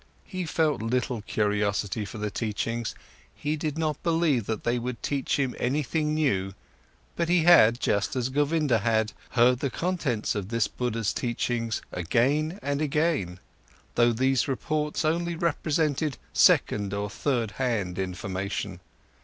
He felt little curiosity for the teachings, he did not believe that they would teach him anything new, but he had, just as Govinda had, heard the contents of this Buddha's teachings again and again, though these reports only represented second or third hand information.